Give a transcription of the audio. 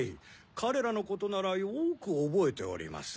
彼らのことならよく覚えております。